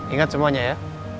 ingat semuanya ya